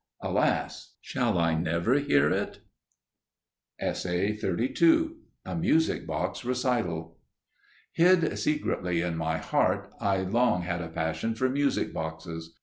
Alas! Shall I never hear it? *A Music Box Recital* Hid secretly in my heart, I long had a passion for music boxes.